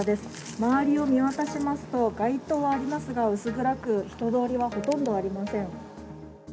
周りを見渡しますと、街灯はありますが、薄暗く、人通りはほとんどありません。